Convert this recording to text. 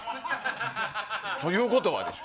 ということはでしょ。